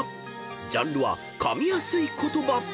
［ジャンルは「噛みやすい言葉」］